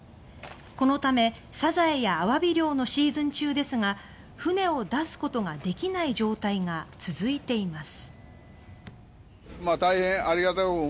このため、サザエやアワビ漁のシーズン中ですが船を出すことができない状態が続いています。